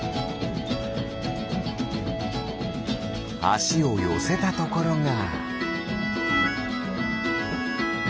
あしをよせたところが。